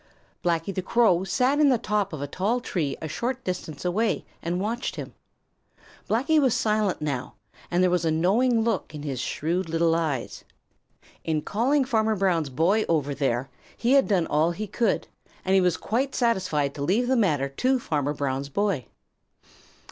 Blacky the Crow sat in the top of a tall tree a short distance away and watched him. Blacky was silent now, and there was a knowing look in his shrewd little eyes. In calling Farmer Brown's boy over there, he had done all he could, and he was quite satisfied to leave the matter to Farmer Brown's boy.